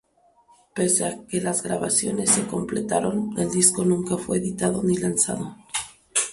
Pese a que las grabaciones se completaron, el disco nunca fue editado ni lanzado.